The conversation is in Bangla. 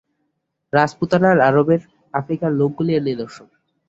রাজপুতানার, আরবের, আফ্রিকার লোকগুলি এর নিদর্শন।